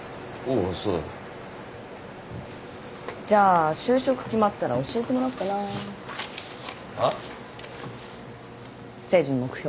じゃあ就職決まったら教えてもらおっかな。